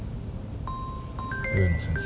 植野先生。